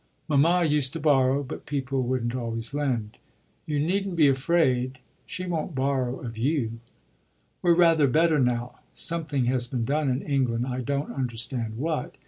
Mamma used to borrow, but people wouldn't always lend. You needn't be afraid she won't borrow of you. We're rather better now something has been done in England; I don't understand what.